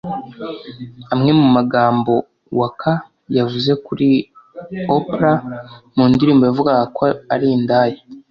Amwe mu magambo Waka yavuze kuri Oprah mu ndirimbo yavugaga ko ari indaya